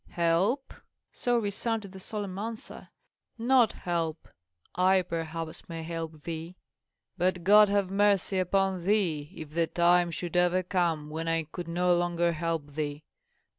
"Help!" so resounded the solemn answer; "not help. I perhaps may help thee. But God have mercy upon thee if the time should ever come when I could no longer help thee.